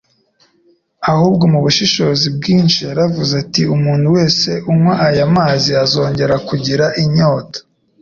ahubwo mu bushishozi bwinshi yaravuze ati, “Umuntu wese unywa aya mazi azongera kugira inyota